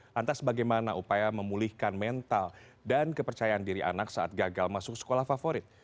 lantas bagaimana upaya memulihkan mental dan kepercayaan diri anak saat gagal masuk sekolah favorit